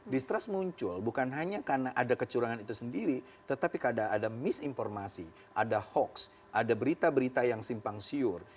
distrust muncul bukan hanya karena ada kecurangan itu sendiri tetapi kadang ada misinformasi ada hoax ada berita berita yang simpang siur